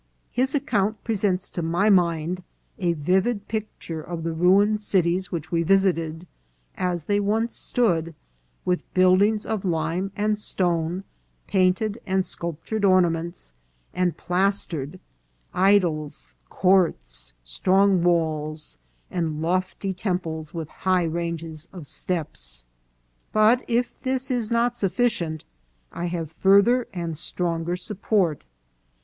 His account presents to my mind a vivid picture of the ruined cities which we visited, as they once stood, with buildings of lime and stone, painted and sculptured ornaments, and plastered; idols, courts, strong walls, and lofty temples with high, ranges of steps. But if this is not sufficient, I have farther and strong MEXICAN ANTIQUITIES. 453 er support.